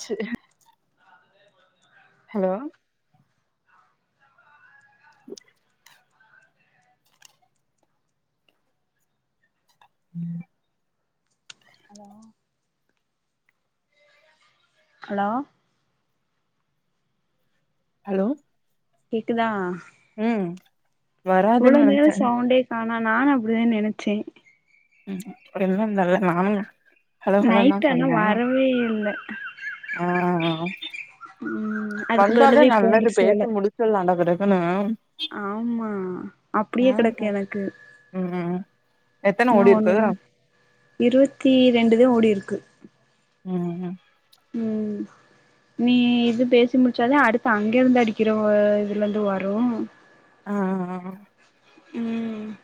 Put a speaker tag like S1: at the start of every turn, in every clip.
S1: ச்சு ஹலோ ம்
S2: hello hello
S1: hello
S2: கேக்குதா
S1: ம் வராதுன் நெனச்சே
S2: ஆனா நானு அப்டிதா நெனச்சே
S1: ம் அப்பறோ என்னன்னு தெர்ல நானு ஹலோ ஹலோன்னு தா
S2: நைட் ஆனா
S1: சொன்னே
S2: வரவே இல்ல
S1: ஆ ம்
S2: ம் அதுக்குப்பதுலா தா இப்ப வந்துருச்சு
S1: பேசி
S2: போல
S1: முடிச்சிடலான்டா பிறகுன்னு
S2: ஆமா
S1: ஆ
S2: அப்டியே கெடக்கு எனக்கு
S1: ம் எத்தன
S2: இன்னு
S1: ஓடிருக்கு
S2: ஒண்ணு இருவத்தி ரெண்டுதா ஓடிருக்கு
S1: ம் ம்
S2: ம் நீ இது பேசி முடிச்சா தா அடுத்து அங்கெருந்து அடிக்கிறவ்க இதுலருந்து வரு
S1: ஆ ஆ ஆ
S2: ம்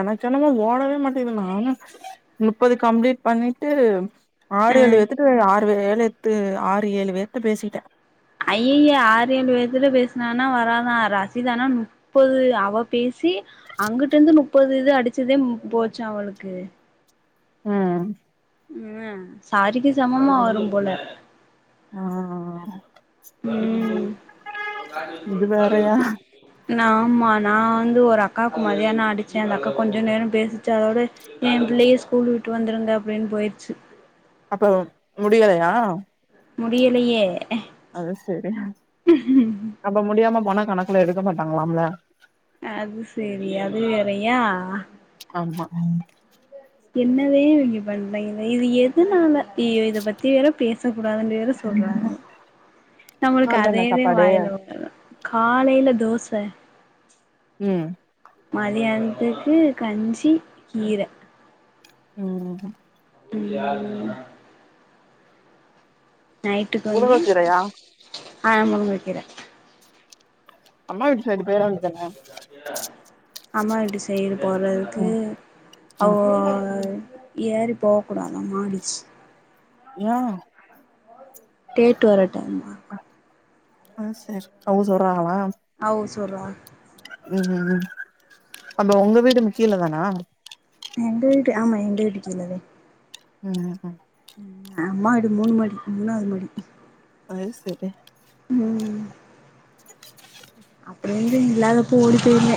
S1: எனக்கென்னமோ ஓடவே மாட்டிது நானு நுப்பது கம்ப்ளீட் பண்ணிட்டு
S2: அ
S1: ஆறு ஏழு வேத்துட்ட ஆறு வேழேத்து ஆறு ஏழு பேர்ட்ட பேசிட்டே
S2: ஐயய்ய ஆறு ஏழு பேத்துட்ட பேசுனானா வராதா ரசிதானா நுப் ப்பது அவ பேசி அங்குட்டு இருந்து நுப்பது இது அடிச்சுதேம் போச்சா அவளுக்கு
S1: ஆ
S2: ம்மா சாரிக்கு சமமா வரும் போல
S1: ஆ
S2: ம்
S1: இது வேறயா
S2: நா ஆமா நா வந்து ஒரு அக்காவுக்கு மதியான அடிச்சே அந்த அக்கா கொஞ்ச நேர பேசிச்சு அதோட எ பிள்ளைய ஸ்கூல் விட்டு வந்துருங்க அப்டின் போயிருச்சு
S1: அப்ப முடிவலையா
S2: முடியலையே
S1: அது சேரி அப்ப முடியாம போனா கணக்குல எடுக்க மாட்டாங்களாம்ல
S2: அது சேரி அது வேறையா
S1: ஆமா ம்
S2: என்னதே இவங்கெ பண்றாங்கெனே இது எதுனால ஐயோ இத பத்தி வேற பேசக்கூடாதுன்ட்டு வேற சொல்றாங்க நம்மளுக்கு
S1: கால்ல என்ன
S2: அதேதே
S1: சாப்பாடு
S2: வாயில வரு காலைல தோச
S1: ம்
S2: மதியானத்துக்கு கஞ்சி கீர
S1: ம் ம்
S2: ம் நைட்டுக்கு வந்து
S1: முருங்கக்கீரையா
S2: ஆ முருங்கக்கீர
S1: அம்மா வீட்டு சைடு போயிர வேண்டியதானே
S2: அம்மா வீட்டு சைடு போறது க்கு
S1: ம் ம்
S2: அவ்க ஏறி போகக்கூடாதா மாடிக்கி
S1: யே
S2: டேட்டு வர டைமா
S1: அது சேரி அவ்க சொறாங்களா
S2: அவ்க சொல்றாக
S1: ம் ம் அப்ப ஒங்க வீடும் கீழ தானா
S2: எங்க வீடு ஆமா எங்க வீடு கீழதே
S1: ம் ம்
S2: அம்மா வீடு மூணு மாடி மூணாவ்து மாடி
S1: அது செரி
S2: ம் அப்டி இருந்து இல்லாதப்ப ஓடி போய்ருவே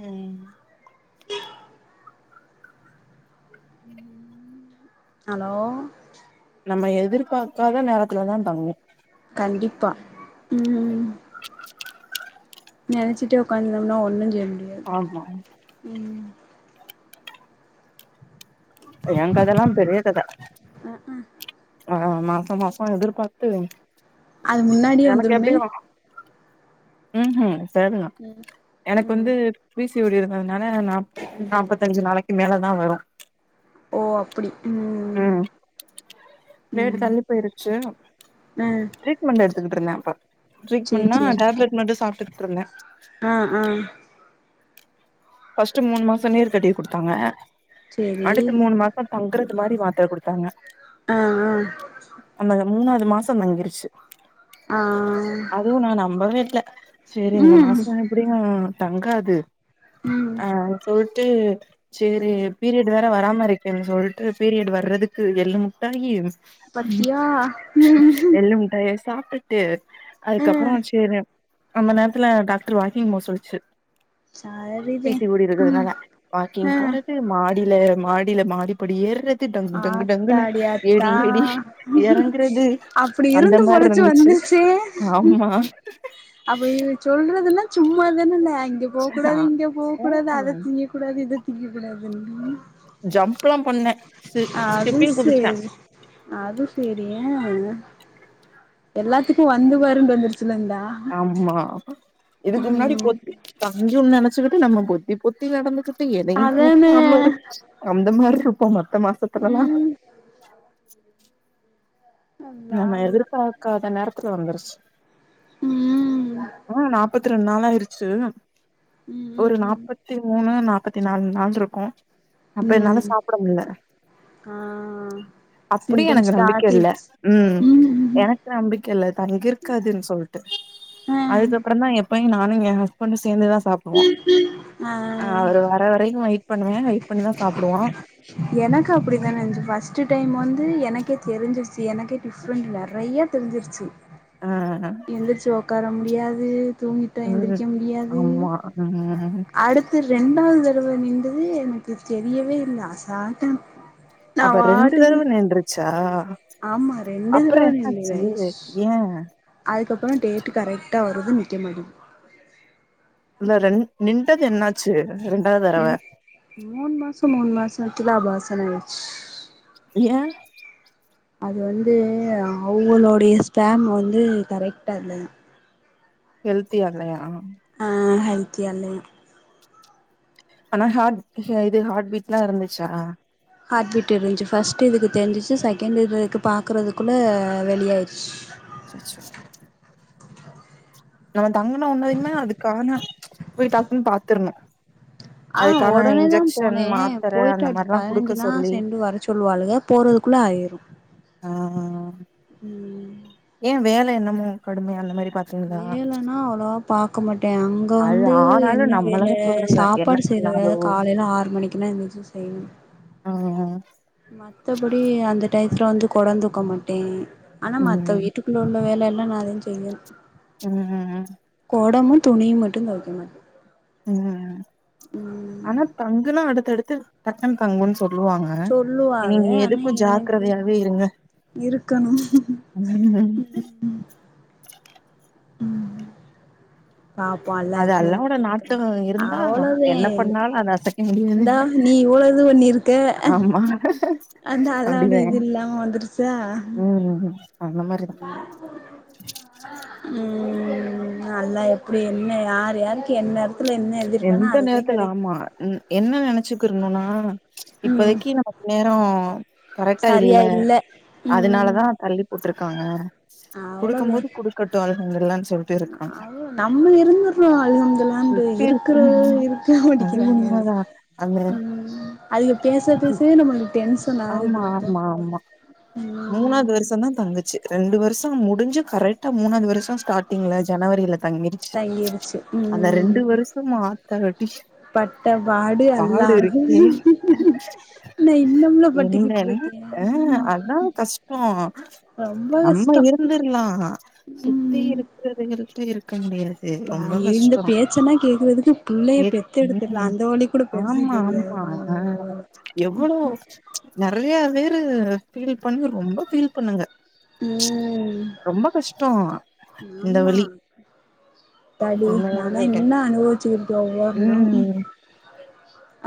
S1: ம்
S2: ஹலோ
S1: நம்ம எதிர்பாக்காத நேரத்துல தா தங்கு
S2: கண்டிப்பா ம் நெனச்சிட்டே ஒக்காந் இருந்தோ ஒன்னு செய்ய முடியா
S1: ஆமா
S2: ம்
S1: எ கதெல்லா பெரிய கத
S2: அக்அ
S1: ஆ மாசம் மாசோ எதிர்பார்த்து
S2: அது முன்னாடியே
S1: எனக்கு எப்டி
S2: வந்துருமே
S1: வரு ம் ம் செரிங்க
S2: ம்
S1: எனக்
S2: ம்
S1: வந்து பீ சி ஓ டி இருந்ததுனால நாப் நாப்பத்தஞ்சு நாளைக்கு மேல தா வரு
S2: ஓ அ ப்படி ம்
S1: பிளேடு
S2: ம்
S1: தள்ளி
S2: அ
S1: மென் எடுத்துகிட்ருந்தே அப்ப டரீட்மென்னா டேப்லட் மட்டு சாப்டுட்ருந்தே
S2: அ அ
S1: ஃபஸ்ட்டு மூணு மாச நீர் கட்டிக்கு குடுத்தாங்க
S2: சேரி
S1: அடுத்து மூணு மாசோ தங்குறது மாரி மாத்ர குடுத்தாங்க
S2: ஆ ஆ
S1: அந்த மூணாவது மாசோ தங்கிரிச்சு
S2: ஆ
S1: அதுவு நா நம்பவே இல்ல செரி இந்த
S2: ம் ம்
S1: மாச எப்புடியு தங்காது
S2: ம்
S1: அ சொல்ட்டு செரி பீரியெட்டு வேற‌ வராம இருக்கின் சொல்ட்டு பீரியெட்டு வர்றதுக்கு எள்ளு முட்டாயி
S2: பத்தியா
S1: ளு முட்டாயி சாப்ட்டுட்டு
S2: ஆ
S1: அதுக்கப்புறோ சேரி அந்த நேரத்துல டாக்டர் வாக்கிங் போ சொல்லுச்சு
S2: சரி
S1: பீ சி ஓ டி இருக்கிறத்னால வாக்கிங் போறது மாடில மாடில மாடி படி ஏறுறது டங்கு டங்கு டங்குனு
S2: ஆத்தாடி ஆத்தா
S1: ஏறி ஏறி எறங்குறது
S2: அப்டி இருந்து
S1: அந்த மார்
S2: பொழச்சு
S1: ருந்துச்சு
S2: வந்துருச்சே
S1: ஆமா
S2: அப்ப இவிக சொல்றதுலா சும்மாதான அங்க போ
S1: ஆ
S2: கூடாது இங்க போ கூடாது அத
S1: ம்
S2: திங்க கூடாது இத திங்க கூடாதுன்
S1: ஜம்ப்பலா பண்ண ஸி
S2: அது
S1: ஸ்கிப்பிங் குதிச்ச
S2: சேரி அது செரி அ எல்லாத்துக்கு வந்து வரு தெரிஞ்சிருச்சில இந்த அ
S1: ஆமா இதுக்கு முன்னாடி பொத்தி தஞ்சுன் நெனச்சிக்கிட்டு நம்ம பொத்தி பொத்தி நடந்து கிட்டு எதயு
S2: அதானே
S1: தூக்காம இரு அந்த மாரிருப்போ மத்த மாசத்துலலா
S2: ம் அல்லா
S1: நம்ம
S2: அல்லா
S1: எதிர்பாக்காத நேரத்துல வந்துரிச்சு
S2: ம்
S1: ஆ நாப்பத்தி ரெண் நாளாயிருச்சி
S2: ம்
S1: ஒரு
S2: ம் ம்
S1: நாப்பத்தி மூணு நாப்பத்தி நால் நாள்ருக்கு அப்ப என்னால
S2: ம்
S1: சாப்பிட முல்ல
S2: ஆ
S1: அப்பிடியு எனக்கு
S2: சிம்டம்ஸ்
S1: நம்பிக்க இல்ல
S2: காட்டிருச்சு
S1: ம் எனக்கு நம்பிக்க இல்ல தங்கிருக்காதுன் சொல்ட்டு
S2: ஆ
S1: அதுக்கப்பறந்தா எப்பயு நானு என் ஹஸ்பண்டு சேந்துதா சா ப்டுவோ ஆ அவரு வர வரைக்கு வெயிட் பண்ணுவேன் வெயிட் பண்ணிதா சாப்டுவான்
S2: எனக்கு அப்டிதான இந்ச் ஃபர்ஸ்ட்டு டைம் வந்து எனக்கே தெரிஞ்ச் சி எனக்கே டிஃப்ரெண்ட் நெறயா தெரிஞ்சிருச்சு
S1: ஆ
S2: எந்திருச்சு ஒக்கார முடியாது தூங்கிட்டு
S1: ம்
S2: எந்திரிக்க முடியாது
S1: ஆமா ம்
S2: அடு த்து ரெண்டாவது தடவ நின்டது எனக்கு தெரியவே இல்ல அசால்டா
S1: அப்ப ரெண்டு தடவ நின்டுருச்சா
S2: ஆமா ரெண்டு
S1: அப்றோ
S2: தடவ
S1: என்னாச்சு ஏன்
S2: அதுக்கப்றோ டேட்டு கரெக்டா வருது நிக்க மாட்டீது
S1: அந்த ரெண் நின்டது என்னாச்சு ரெண்டாவது தரவ
S2: மூனு மாசோ மூனு மாசத்துல அபாஷன் ஆயிர்ச்சு
S1: ஏன்
S2: அது வந்து அவுங்களோடய ஸ்பேம் வந்து கரெக்ட்டா இல்லயா
S1: ஹெல்த்தி ஆகலயா
S2: ஆ ஹெல்த்தியா இல்லயா
S1: ஆனா ஹார்ட் ஹெ இது ஹார்ட் பீட்ல்லா இருந்துச்சா
S2: ஹார்ட் பீட் இருந்ச்சு ஃபர்ஸ்ட்டு இதுக்கு தெரிஞ்சிச்சு செகண்ட் இதுக்கு பாக்கறதுக்குள்ள வெளியாயிருச்சு
S1: அச்சச்சோ நம்ம தங்குன ஒன்னயுமே அதுக்கான போய் டக்குன்னு பாத்துருணு
S2: ஆ ஒடனேதான் போன
S1: மாத்தர
S2: போயிட்டு
S1: அந்த
S2: அடுத்து
S1: மாரிலா குடுக்க
S2: பதினஞ்சுனா
S1: சொல்லி
S2: சேந்து வர சொல்லுவாளுக போறதுக்குள்ள ஆயிரு
S1: ஆஹா
S2: ம்
S1: ஏன் வேலை என்னமோ கடுமயா அந்த மாரி பாத்தீங்களா
S2: வேலனா அவ்ளவா பாக்க மாட்டன் அங்க
S1: அது
S2: வந்து
S1: ஆனாலு
S2: என்ன வேல
S1: நம்மளவே சொல்லுங்க என்ன
S2: சாப்பாடு செய்ற வேல
S1: பண்ணாலோ
S2: காலைல ஆறு மணிக்குனா எந்திரிச்சு செய்யணு
S1: ஆ
S2: மத்தபடி அந்த டயத்துல வந்து கொடந் தூக்க மாட்டேன் ஆனா மத்த
S1: ம்
S2: வீட்டு உள்ள உள்ள வேல எல்லா நான்தா செய்வ
S1: உம் உம்
S2: கொடமு துணியு மட்டு தொவைக்க மாட்
S1: ம்
S2: ம்
S1: ஆனா தங்குனா அடுத்தடுத்து டக்குனு தங்குனு சொ ல்வாங்க
S2: சொல்லுவாக
S1: நீங்க
S2: ஆனா
S1: எதுக்கு
S2: எனக்கு
S1: ஜாக்ரதயாவே இருங்க
S2: இருக்கணு
S1: ம்
S2: ம் பாப்போல்ல
S1: அது
S2: எப்டி
S1: அல்லாவோட நாட்டோ இருந்தா
S2: அவ்ளோத
S1: என்ன பண்ணாலு அத அசைக்க முடியாது
S2: இந்தா நீ இவ்ளுது பண்ணிருக்க
S1: ஆமா
S2: அந்த அல்லோடு
S1: அப்டிதே
S2: இது இல்லாம வந்திரிச்சா
S1: ம் அந்த மாரிதா
S2: ம் ம் அல்ல எப்டி என்ன யார் யாருக்கு என்ன எடத்துல என்ன எழுதிருக்கானோ
S1: எந்த
S2: அதுதே
S1: நேரத்துல
S2: கெடைக்கு
S1: ஆமா என்ன நெனச்சிருக்கணுனா
S2: ம்
S1: இப்போதைக்கு நமக்கு நேரோ கரெக்டா இல்ல
S2: ம்
S1: அதனாலதா தள்ளி போட்டுருக்காங்க குடுக்கும்போது குடுக்கட்டு [unintelligible] சொல்
S2: அது நம்ம இருந்துட்றோ இருந்துற்லாண்டு
S1: சுத்தி
S2: இருக் க்குனு
S1: இருக்கிறாங்க.
S2: இருக்க
S1: அது
S2: மாட்டிக்கிறாங்க
S1: உண்மதான். அந்த
S2: ம் அதுக பேச பேசவே நம்மளுக்கு டென்ஷனா
S1: ஆமா ஆமா ஆமா
S2: ம்
S1: மூணாவ்து வருஷந்தா தங்குச்சு ரெண்டு வருஷ முடிஞ்சு கரெக்டா மூணாவ்து வருஷ ஸ்டார்டிங்ல ஜனவரில தங்கிருச்சு
S2: தங்கிருச்சு
S1: அந்த ரெண்டு வருஷ மாத்தரடி
S2: பட்ட பாடு அல்லாஹூ நா இன்னும்ல பட்டுக்கிட்ருக்கே
S1: அ அதா கஷ்டோ
S2: ரொம்ப
S1: நம்ம
S2: கஷ்டோ
S1: இருந்துர்லா சுத்தி
S2: ம்
S1: இருக் அ எங்க வீட்லயு இருக் க்க முடியாது ரொம்ப
S2: இந்த
S1: கஷ்ட
S2: பேச்செல்லா கேக்குறதுக்கு புள்ளைய
S1: கே
S2: பெத்து
S1: ம்
S2: எடுத்துடலா
S1: ம்
S2: அந்த வலி கூட பெருசு
S1: ஆமா
S2: தெரியாது
S1: ஆமா ஆ எவ்வளோ நெறையா வேரு ஃபீல் பண்ணி ரொம்ப ஃபீல் பண்ணுங்க
S2: ம்
S1: ரொம்ப கஷ்ட இந்த வலி
S2: த்தாடி நாலா
S1: உண்மையாவே
S2: இன்னு அனுபவிச்சு இருக்கே ஒவ்வொன்னு ம்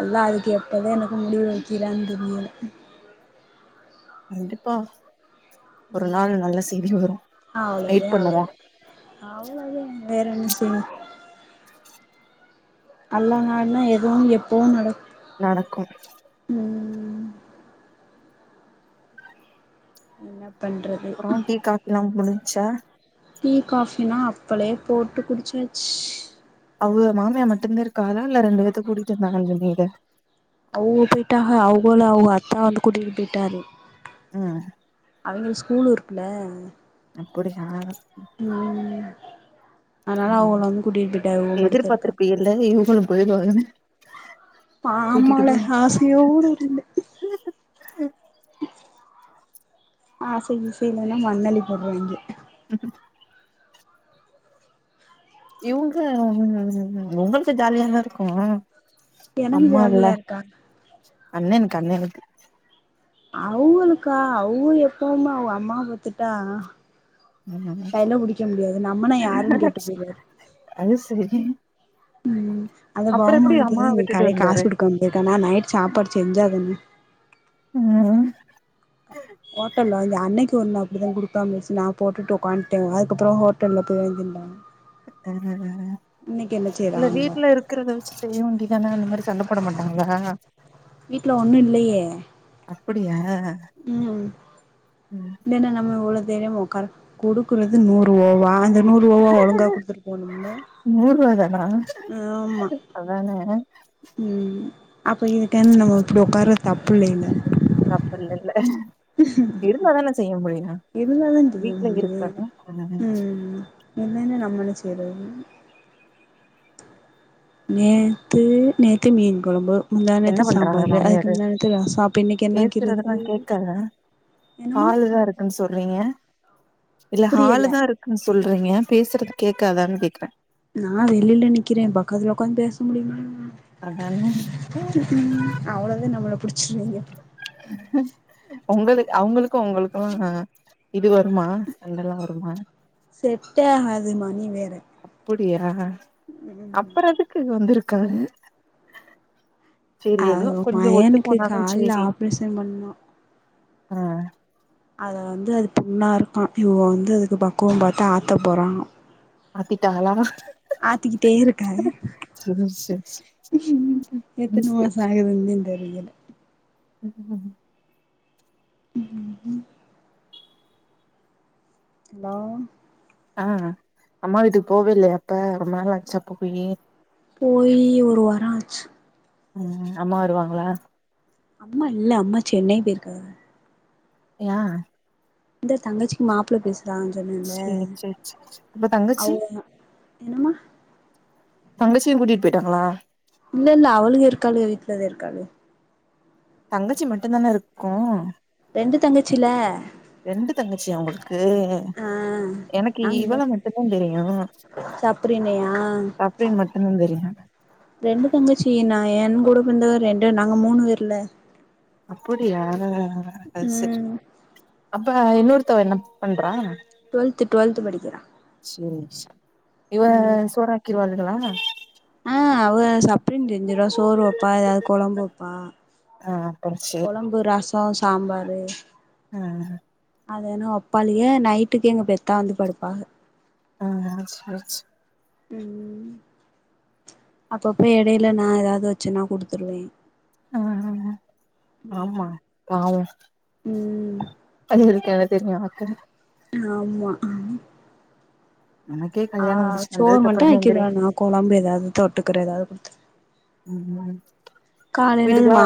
S2: அல்லா அதுக்கு எப்பதே எனக்கு முடிவு வக்கிறான் தெரியல
S1: கண்டிப்பா ஒரு நாள் நல்ல செய்தி வரு வெயிட் பண்ணுவோ
S2: அவ்ளோதே வேற என்ன செய் அல்லா நாட்னா எதுவு எப்பவு நடக்
S1: நடக்கு
S2: ம் என்ன பண்றத்
S1: அப்றோ டீ காஃபிலா முடிஞ்ச்சா
S2: டீ காஃப்பிலா அப்பளே போட்டு குடிச்சாச்சு
S1: அவ்க மாமியா மட்டுந்தா இருக்காகளா இல்ல ரெண்டு வேத்த கூட்டிட்டு வந்தாங்கன் சொன்னியளே
S2: அவ்க போயிட்டாக அவ்கள அவ்ங்க அத்தா வந்து கூட்டிட்டு போயிட்டாரு
S1: ம்
S2: அவிங்களுக்கு ஸ்கூல் இருக்குல
S1: அப்புடியா
S2: ம் அதனால அவ்கள வந்து கூட்டிட்டு போயிட்டாக இவ்க மட்டு தா இருக்கா
S1: இல்ல இவ்க கூட போயிருவாங்கதானே
S2: ஆமால ஆசையோடு இருந்தே ஆச கீசைலலா மண்ணள்ளி போட்றாங்கெ
S1: இவ்ங்க ம் ஒங்களுக்கு ஜாலியாதா இருக்கு
S2: எனக்கு
S1: அம்மா இல்ல
S2: ஜாலியா இருக்கா
S1: அண்ண எனக்கு அண்ண இருக்கு
S2: அவ்களுக்கா அவ்க எப்பவுமே அவ்க அம்மா பாத்துட்டா
S1: ம்
S2: கைல புடிக்க முடியாது நம்மனா யாருனு கேட்டு போயிருவாரு
S1: அது செரிதே
S2: ம் அந்த பகுமானத்துலே
S1: அம்மாவ
S2: இன்னைக்கு
S1: விட்டுட்டு
S2: காலைல காசு
S1: வந்தாரு
S2: குடுக்காம போயிட்டானா நைட்டு சாப்பாடு செஞ்சாதான
S1: ம்
S2: ஓட்டல்ல வாங்கி அன்னைக்கு ஒரு நா அப்டிதா குடுக்காம போயிருச்சு நா போட்டுட்டு ஒக்காந்துட்டே அதுக்கப்பற ஹோட்டல் போய் வாங்கி திண்டாங்க
S1: அ தர தர
S2: இன்னைக்கு என்ன செய்
S1: இல்ல வீட்ல இருக்குறத வச்சு செய்ய வேண்டியதானே அந்த மாரி சண்டப் போட மாட்டாங்களா
S2: வீட்ல ஒன்னு இல்லையே
S1: அப்புடியா
S2: ம் இல்லன்னா நம்ம இவ்ளோ தைரியமா உக்கார குடுக்குறது நூறுவா வாங் நூறுவாவ ஒழுங்கா குடுத்துட்டு போணும்ல
S1: நூறு ரூவா தானா
S2: ஆமா
S1: அதானே
S2: அப்போ இதுட்டேந்து நம்ம இப்டி உக்காறது தப்பு இல்லைல
S1: தப்பு இல்லலே இருந்தாதானே செய்ய முடியு
S2: இருந்தா தா செய்ய
S1: வீட்ல இருக்குறதா பண்ணனு
S2: இல்லைன்னா நம்ம என்ன செய்றது நேத்து நேத்து மீன் கொழம்பு முந்தா
S1: என்ன
S2: நேத்து
S1: பண்றாங்க
S2: சாம்பாரு அதுக்கு
S1: மாமியாரு
S2: முந்தா நேத்து ரசொ அப்ப இன்னைக்கு என்ன வைக்கிறது என்னமா
S1: ஹால்தா இருக்குன் சொர்ரிங்க இல்ல
S2: புரியல
S1: ஹாலுதா இருக் க்குன் சொல்றீங்க பேசுறது கேக்காதான் கேக்குறே
S2: நா வெளில நிக்கிறே பக்கத்துல உக்காந்து பேச முடியுமா
S1: அதானே
S2: அவ்ளோதா நம்மள புடிச்சிருவாங்கே
S1: ம் உங்களு அவங்களுக்கு உங்களுக்குக இது வருமா சண்டலா வருமா
S2: செட்டே ஆகாதுமா நீ வேற
S1: அப்புடியா
S2: ம்
S1: அப்பறோ எதுக்கு ங்க வந்திருக்காரு செரி எதோ
S2: அது
S1: கொஞ்சொ ஒத்து
S2: மயனுக்கு
S1: போனாதா
S2: கால்ல
S1: செரி
S2: ஆப்ரேஷன் பண்ணோ
S1: ஆ
S2: அத வந்து அது புண்ணா இருக்கா இவுக வந்து அதுக்கு பக்குவம் பாத்து ஆத்த போறாளா
S1: ஆத்திட்டாகளா
S2: ஆத்திக்கிட்டே இருக்காக
S1: சேரி சேரி
S2: எத்துன
S1: சேரி
S2: மாசோ ஆகுதுந்தன் தெரியல
S1: [unintelligible]
S2: ம் ம் ம் ம் அலோ
S1: ஆ அம்மாவ வீட்டுக் போவே இல்லையா அப்ப ரொம்ப நாள் ஆச்சாப் போயி
S2: போயி ஒரு வாரோ ஆச்சு
S1: ம் அம்மா வருவாங்களா
S2: அம்மா இல்ல அம்மா சென்னை போயிருக்காக
S1: யா
S2: இந்த தங்கச்சிக்கு மாப்ள பேசு தான் சொன்னன்லே
S1: சேரி சேரி சேரி சேரி அப்ப தங்கச்சி
S2: அவுங்க என்னமா
S1: தங்கச்சியு கூட்டிட்டு பெயிட்டாங்களா
S2: இல்ல இல்ல அவளுக இருக்காளுக வீட்லதா இருக்காளுக
S1: தங்கச்சி மட்டுந்தான இருக்கு
S2: ரெண்டு தங்கச்சில
S1: ரெண்டு தங்கச்சியா உங்களுக்கு
S2: ஆ
S1: எனக்கு
S2: நாங்க
S1: இவள மட்டுந்தா தெரியு
S2: சாப்புறீனையா
S1: சஃப்ரின் மட்டுந்தா தெரியு
S2: ரெண்டு தங்கச்சி நா என் கூட பெறந்தவ ரெண்டு நாங்க மூணு வேர்ல
S1: அப்புடியா அது சரி
S2: ம்
S1: அப்ப இன்னொருத்தவ என்ன பண்றா
S2: டுவெல்த் டுவெல்த் படிக்கிறா
S1: சரி ச இவ
S2: ம்
S1: சோறாக்கிருவாளுகளா
S2: ஆ அவ சப்ரின் செஞ்சிடுவா சோறு வப்பா ஏதாது கொழம்பு வப்பா
S1: ஆ அப்பற சரி
S2: கொழம்பு ரசோ சாம்பாரு
S1: ஆ
S2: அதனோ ஒப்பாளியே நைட்டுக்கு எங்க பெத்தா வந்து படுப்பாஹ
S1: ஆ சரி ச
S2: ம் அப்பப்ப எடையில நா ஏதாது வச்சன்னா குடுத்துருவே
S1: அ அ அ ஆமா பாவு
S2: ம்
S1: அதுங்களுக்கு என்ன தெரியு அக்க
S2: ஆமா
S1: நமக்கே
S2: ஆ
S1: கல்யாணம் முடிச்சு
S2: சோர்
S1: வந்ததுக்கு
S2: மட்டு
S1: அப்புறந்தா
S2: ஆக்கிருவ
S1: தெரியு
S2: நா கொழம்பு ஏதாது தொட்டுக்கற ஏதாது குடுத்து
S1: ம்
S2: காலையில இது
S1: வீட்டுக்லா
S2: ம
S1: வர